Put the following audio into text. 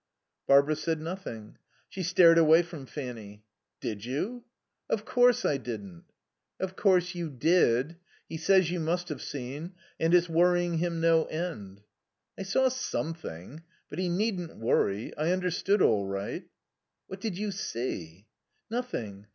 Barbara said nothing. She stared away from Fanny. "Did you?" "Of course I didn't." "Of course you did. He says you must have seen. And it's worrying him no end." "I saw something. But he needn't worry. I understood all right" "What did you see?" "Nothing.